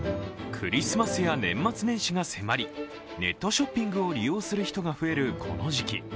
クリスマスや年末年始が迫りネットショッピングを利用する人が増えるこの時期。